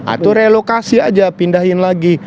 atau relokasi aja pindahin lagi